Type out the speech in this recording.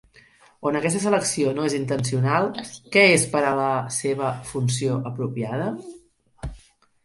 On aquesta selecció no és intencional, què es per a la seva "funció apropiada".